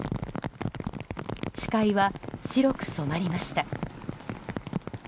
視界は白く染まりました。